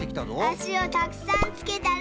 あしをたくさんつけたら。